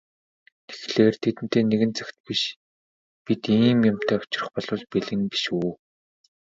Тэгэхлээр тэдэнтэй нэгэн цагт бид ийм юмтай учрах болбол бэлэн биш үү?